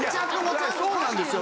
そうなんですよ。